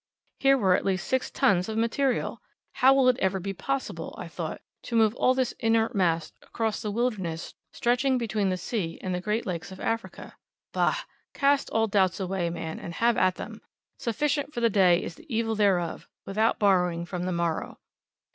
Here were at least six tons of material! "How will it ever be possible," I thought, "to move all this inert mass across the wilderness stretching between the sea, and the great lakes of Africa? Bah, cast all doubts away, man, and have at them! 'Sufficient for the day is the evil thereof,' without borrowing from the morrow."